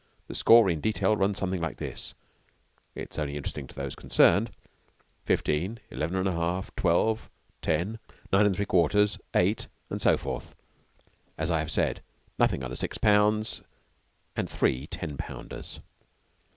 The score in detail runs something like this it is only interesting to those concerned: fifteen, eleven and a half, twelve, ten, nine and three quarters, eight, and so forth; as I have said, nothing under six pounds, and three ten pounders.